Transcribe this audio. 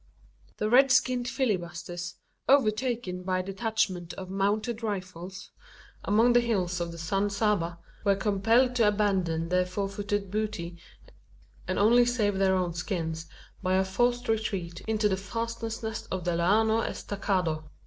The red skinned filibusters, overtaken by a detachment of Mounted Rifles, among the hills of the San Saba, were compelled to abandon their four footed booty, and only saved their own skins by a forced retreat into the fastnesses of the "Llano Estacado."